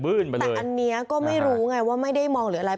แต่อันนี้ก็ไม่ได้มองเลย